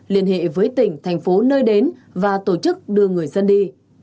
liên hệ với tỉnh thành phố nơi đến và tổ chức đưa người dân đi